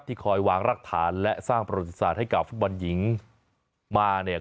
ที่คอยวางรักฐานและสร้างโปรดฤษัทให้กับฟุตบอลหญิงมาเนี่ย